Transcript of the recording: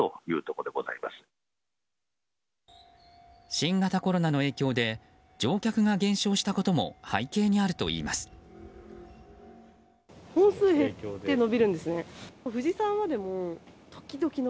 新型コロナの影響で乗客が減少したことも背景にあるといいます。